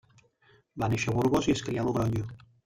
Va néixer a Burgos i es crià a Logronyo.